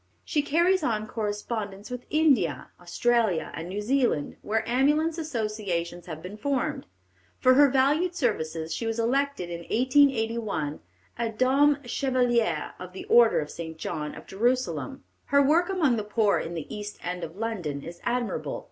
She carries on correspondence with India, Australia, and New Zealand, where ambulance associations have been formed. For her valued services she was elected in 1881 a Dame Chevaliere of the Order of St. John of Jerusalem. Her work among the poor in the East End of London is admirable.